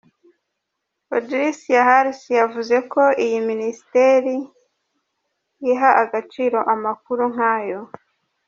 Audricia Harris, yavuze ko iyi minisiteri iha agaciro amakuru nk’ayo.